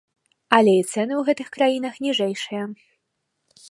Але і цэны ў гэтых краінах ніжэйшыя.